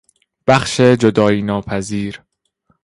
بخش جدایی ناپذیر